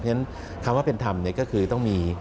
ฉะนั้นคำว่าเป็นธรรมก็คือต้องมี